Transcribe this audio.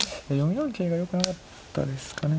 ４四桂がよくなかったですかね。